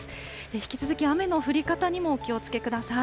引き続き雨の降り方にもお気をつけください。